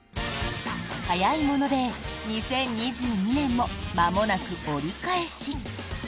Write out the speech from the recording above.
早いもので２０２２年もまもなく折り返し。